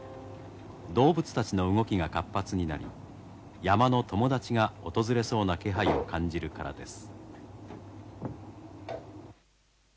動物たちの動きが活発になり山の友達が訪れそうな気配を感じるからです。